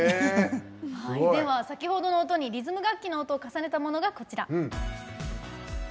先ほどの音にリズム楽器の音を重ねたものが、こちら。